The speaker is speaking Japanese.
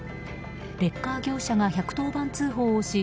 レッカー業者が１１０番通報をし